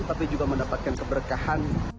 tapi juga mendapatkan keberkahan